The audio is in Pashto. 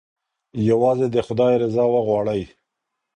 یوازې د خدای رضا وغواړئ.